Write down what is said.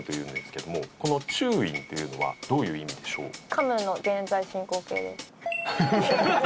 「噛む」の現在進行形です。